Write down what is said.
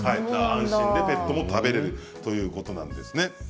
ペットも食べられるということなんですね。